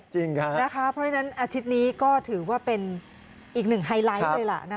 เพราะฉะนั้นอาทิตย์นี้ก็ถือว่าเป็นอีกหนึ่งไฮไลท์เลยล่ะ